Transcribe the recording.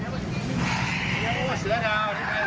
เสื้อสมิงครับเสื้อสมิงขึ้นนะครับ